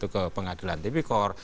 ke pengadilan tpkor